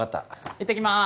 いってきます。